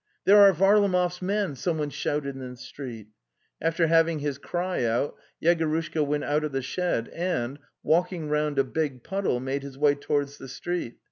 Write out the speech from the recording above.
"There are Varlamov's men!" someone shouted in the street. After having his cry out, Yegorushka went out of the shed and, walking round a big puddle, made his way towards the street.